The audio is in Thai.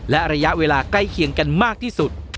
และระยะเวลาใกล้เคียงกันมากที่สุด